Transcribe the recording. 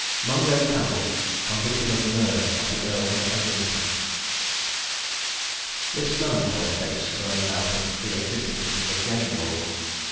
MUNGO CAMPBELL. CONVICTED OF THE MURDER OF THE EARL OF EGLINTON. This melancholy case arose out of the existing system of game laws.